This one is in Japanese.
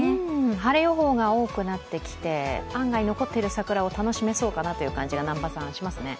晴れ予報が多くなってきて、案外、残っている桜を楽しめそうかなという感じがしますね。